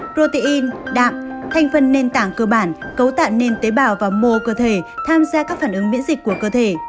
protein đạm thanh phân nền tảng cơ bản cấu tạng nền tế bào và mô cơ thể tham gia các phản ứng miễn dịch của cơ thể